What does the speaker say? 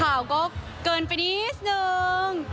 ข่าวก็เกินไปนิดนึง